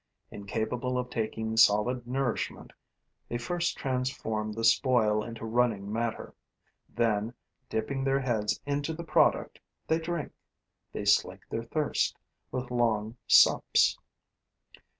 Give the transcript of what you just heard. Incapable of taking solid nourishment, they first transform the spoil into running matter; then, dipping their heads into the product, they drink, they slake their thirst, with long sups.